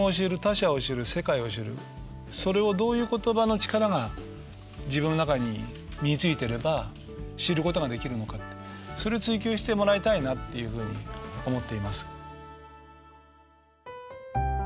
それをどういう言葉の力が自分の中に身についてれば知ることができるのかってそれ追求してもらいたいなっていうふうに思っています。